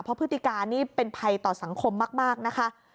เพราะพฤติการนี่เป็นภัยต่อสังคมมากนะคะ